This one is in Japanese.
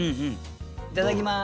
いただきます！